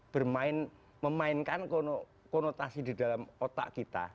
bermain memainkan konotasi di dalam otak kita